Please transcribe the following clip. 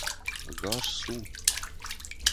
Ӕгас цу!